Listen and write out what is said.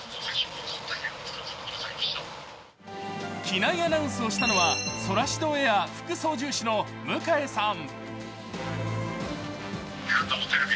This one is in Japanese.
機内アナウンスをしたのはソラシドエア副操縦士の向江さん。